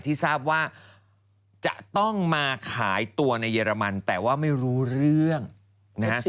ที่ทราบว่าจะต้องมาขายตัวในเรมันแต่ว่าไม่รู้เรื่องนะฮะ